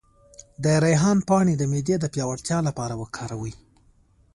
د ریحان پاڼې د معدې د پیاوړتیا لپاره وکاروئ